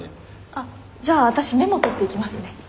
あっじゃあわたしメモとっていきますね。